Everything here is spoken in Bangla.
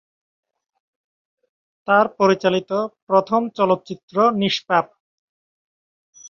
তার পরিচালিত প্রথম চলচ্চিত্র "নিষ্পাপ"।